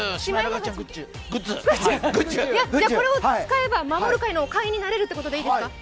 これを使えば守る会の会員になれるってことですね？